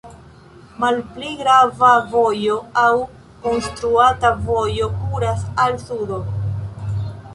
Malpli grava vojo aŭ konstruata vojo kuras al sudo.